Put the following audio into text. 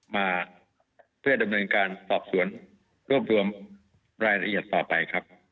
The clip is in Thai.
มาเพื่อดำเนินการสอบสวนรวบรวมรายละเอียดต่อไปครับ